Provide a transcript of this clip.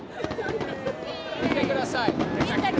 見てください。